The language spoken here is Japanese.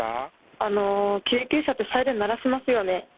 あの、救急車ってサイレン鳴らしますよね。